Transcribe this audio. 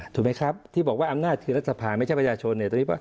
ถูกไหมครับที่บอกว่าอำนาจคือรัฐสภาไม่ใช่ประชาชนเนี่ย